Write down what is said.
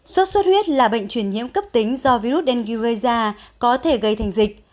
suốt suốt huyết là bệnh truyền nhiễm cấp tính do virus dengue gây ra có thể gây thành dịch